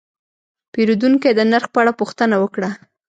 پیرودونکی د نرخ په اړه پوښتنه وکړه.